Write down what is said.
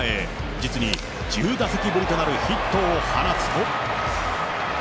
実に１０打席ぶりとなるヒットを放つと。